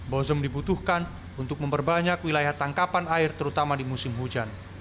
bozem dibutuhkan untuk memperbanyak wilayah tangkapan air terutama di musim hujan